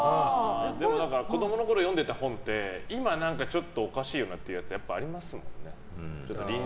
でも、子供のころ読んでいた本って今ちょっとおかしいよなってやつがありますね。